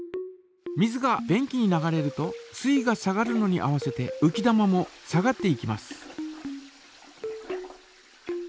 水が便器に流れると水位が下がるのに合わせてうき玉も下がっていきます。